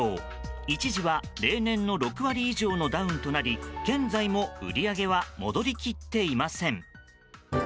一時は例年の６割以上のダウンとなり現在も売り上げは戻りきっていません。